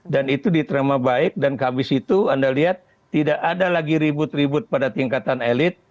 dan itu diterima baik dan habis itu anda lihat tidak ada lagi ribut ribut pada tingkatan elit